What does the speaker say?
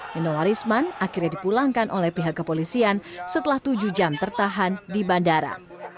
nino warisman akhirnya dipulangkan oleh pihak kepolisian setelah tujuh jam tertahan di bandara